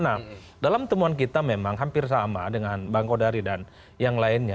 nah dalam temuan kita memang hampir sama dengan bang kodari dan yang lainnya